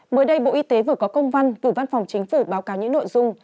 mới đây bộ y tế vừa có công văn gửi văn phòng chính phủ báo cáo những nội dung